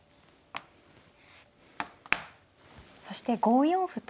そして５四歩と。